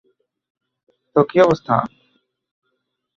তো কী অবস্থা?